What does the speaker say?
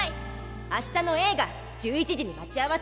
あしたの映画１１時に待ち合わせ。